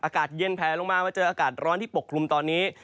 อากาศเย็นแผลลงมามาเจออากาศร้อนที่ปกคลุมตอนนี้